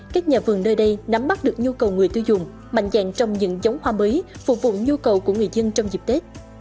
các nhà vườn nơi đây nắm bắt được nhu cầu người tiêu dùng mạnh dạng trồng những giống hoa mới phục vụ nhu cầu của người dân trong dịp tết